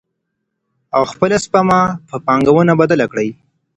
او خپله سپما په پانګونه بدله کړو.